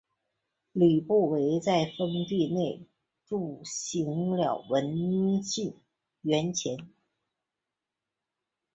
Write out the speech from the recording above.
吕不韦在封地内铸行了文信圜钱。